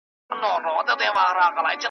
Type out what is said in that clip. او د خلکو ټول ژوندون په توکل وو .